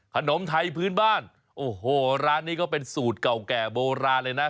ขนมไทยพื้นบ้านโอ้โหร้านนี้ก็เป็นสูตรเก่าแก่โบราณเลยนะ